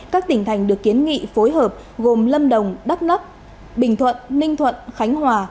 các tỉnh thành được kiến nghị phối hợp gồm lâm đồng đắk nắp bình thuận ninh thuận khánh hòa